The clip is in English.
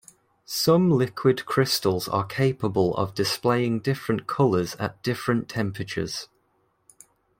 Some liquid crystals are capable of displaying different colors at different temperatures.